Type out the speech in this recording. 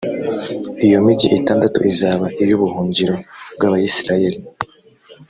iyo migi itandatu izaba iy’ubuhungiro bw’abayisraheli